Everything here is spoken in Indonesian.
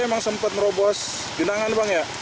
emang sempat merobos genangan bang ya